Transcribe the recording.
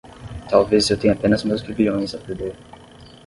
Talvez eu tenha apenas meus grilhões a perder